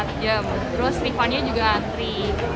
terus rifannya juga antri